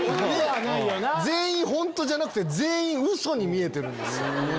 全員本当じゃなくて全員ウソに見えてるんですよ。